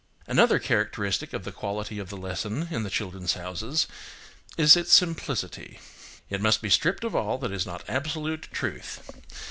Another characteristic quality of the lesson in the "Children's Houses" is its simplicity. It must be stripped of all that is not absolute truth.